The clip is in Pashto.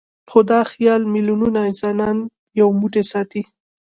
خو دا خیال میلیونونه انسانان یو موټی ساتي.